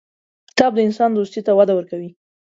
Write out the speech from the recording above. کتاب د انسان دوستي ته وده ورکوي.